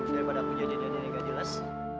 daripada aku janji janji yang gak jelas